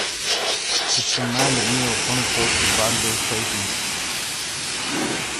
It reminded me of one of those forgotten little stations.